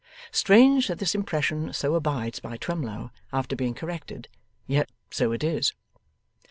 Strange that this impression so abides by Twemlow after being corrected, yet so it is.